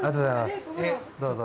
どうぞ。